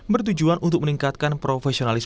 bertujuan untuk meningkatkan profesionalitas